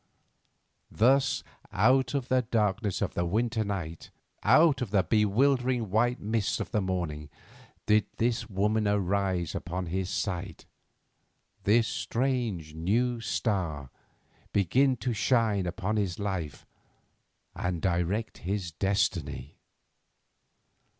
Thus, out of the darkness of the winter night, out of the bewildering white mists of the morning, did this woman arise upon his sight, this strange new star begin to shine upon his life and direct his destiny.